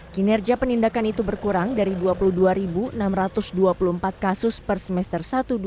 kinerja penindakan itu berkurang dari dua puluh dua enam ratus dua puluh empat kasus per semester satu dua ribu dua puluh